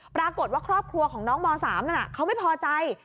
ปรากฏว่าครอบครัวของน้องม๓นั้นเขาไม่พอใจ